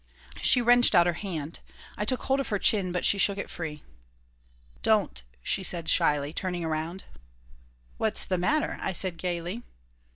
She wrenched out her hand. I took hold of her chin, but she shook it free "Don't," she said, shyly, turning away "What's the matter?" I said, gaily.